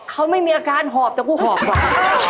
เขาไม่มีอาการหอบแต่ผู้หอบค่ะ